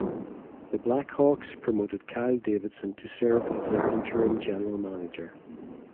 The Blackhawks promoted Kyle Davidson to serve as their interim general manager.